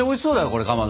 これかまど。